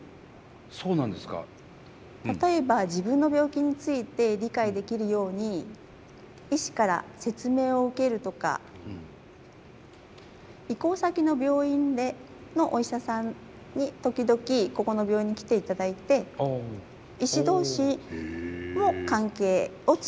例えば自分の病気について理解できるように医師から説明を受けるとか移行先の病院のお医者さんに時々ここの病院に来ていただいて医師同士も関係を作るというような準備です。